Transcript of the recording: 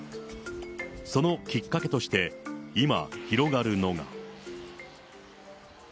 そのきっかけとして、今、広がるのが。